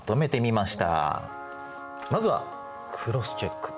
まずは「クロスチェック」。